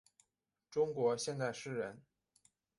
中国现代诗人。